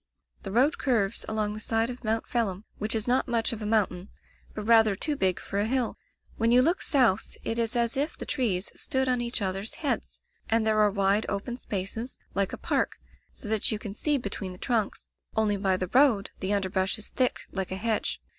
"The road curves along the side of Mount Phelim, which is not much of a mountain, but rather too big for a hill. When you look south it is as if the trees stood on each others' heads, and there are wide, open spaces, like a park, so that you can see between the trunks, only by the road the underbrush is thick like a hedge.